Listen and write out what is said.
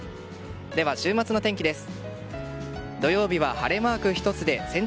では、週末の天気です。